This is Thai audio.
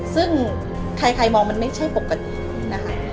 ซึ่งใครมองมันไม่ใช่ปกตินะคะ